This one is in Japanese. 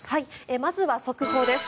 まずは速報です。